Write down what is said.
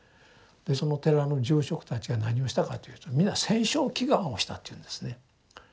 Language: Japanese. でその寺の住職たちが何をしたかというと皆戦勝祈願をしたっていうんですね。